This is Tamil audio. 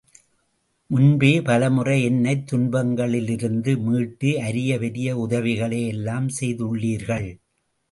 முன்பே பலமுறை என்னைத் துன்பங்களிலிருந்து மீட்டு அரிய பெரிய உதவிகளை எல்லாம் செய்துள்ளீர்கள்!